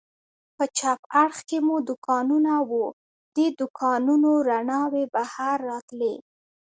په چپ اړخ کې مو دوکانونه و، د دوکانونو رڼاوې بهر راتلې.